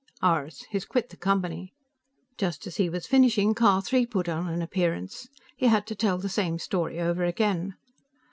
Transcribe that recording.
"Ours. He's quit the Company." Just as he was finishing, Car Three put in an appearance; he had to tell the same story over again.